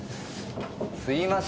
すいません